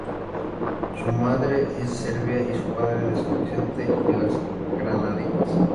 Su madre es serbia y su padre de San Vicente y las Granadinas.